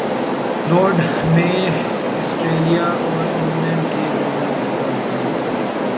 Lords میں Australia اور England کے درمیان دوسرا ون ڈے